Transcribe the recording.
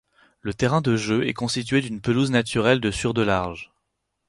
Le terrain de jeu est constitué d'une pelouse naturelle de sur de large.